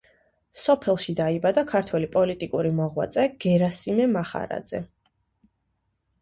სოფელში დაიბადა ქართველი პოლიტიკური მოღვაწე გერასიმე მახარაძე.